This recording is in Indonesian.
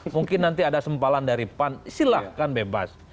mungkin nanti ada sempalan dari pan silahkan bebas